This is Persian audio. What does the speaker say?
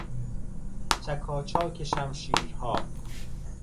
چکاچاک شمشیرها